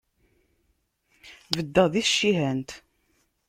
Beddeɣ di tcihant.